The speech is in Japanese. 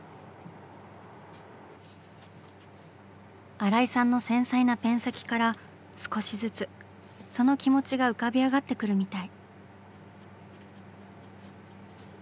新井さんの繊細なペン先から少しずつその気持ちが浮かび上がってくるみたい。